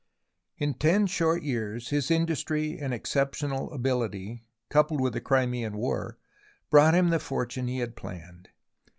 In ten short years his industry and exceptional ability, coupled with the Crimean War, brought him the fortune he had planned.